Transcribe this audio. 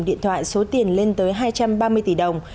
điện thoại số tiền lên tới hai trăm ba mươi tỷ đồng